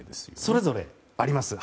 それぞれあります。